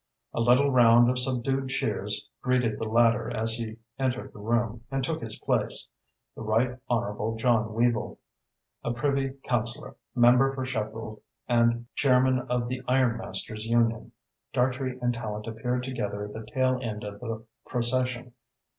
A little round of subdued cheers greeted the latter as he entered the room and took his place, the Right Honourable John Weavel, a Privy Councillor, Member for Sheffield and Chairman of the Ironmaster's Union. Dartrey and Tallente appeared together at the tail end of the procession.